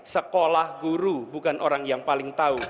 sekolah guru bukan orang yang paling tahu